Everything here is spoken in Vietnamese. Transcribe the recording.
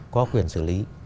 có quyền xử lý